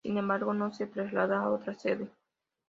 Sin embargo, no se traslada a otra sede.